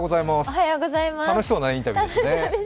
楽しそうなインタビューですね。